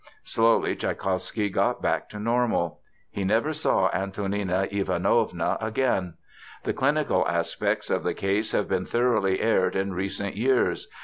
Slowly Tschaikowsky got back to normal. He never saw Antonina Ivanovna again. The clinical aspects of the case have been thoroughly aired in recent years.